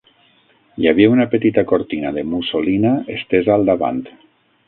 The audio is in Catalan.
Hi havia una petita cortina de mussolina estesa al davant.